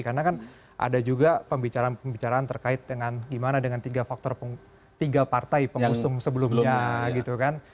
karena kan ada juga pembicaraan pembicaraan terkait dengan gimana dengan tiga faktor tiga partai pengusung sebelumnya gitu kan